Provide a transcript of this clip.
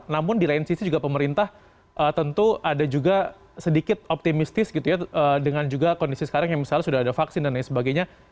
namun di lain sisi juga pemerintah tentu ada juga sedikit optimistis gitu ya dengan juga kondisi sekarang yang misalnya sudah ada vaksin dan lain sebagainya